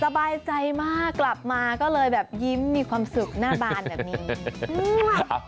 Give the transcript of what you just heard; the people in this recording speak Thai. สบายใจมากกลับมาก็เลยแบบยิ้มมีความสุขหน้าบานแบบนี้